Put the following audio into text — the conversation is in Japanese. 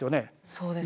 そうですね。